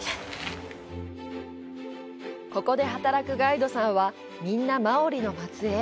ここで働くガイドさんはみんなマオリの末裔。